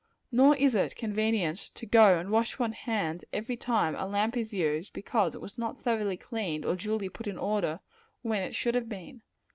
Nor is it very convenient to go and wash one's hands every time a lamp is used, because it was not thoroughly cleaned or duly put in order, when it should have been.